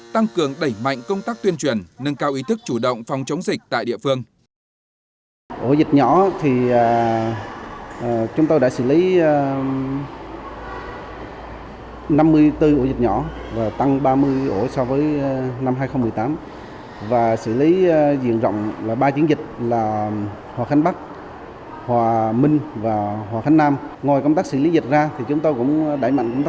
tăng cường đẩy mạnh công tác tuyên truyền nâng cao ý thức chủ động phòng chống dịch tại địa phương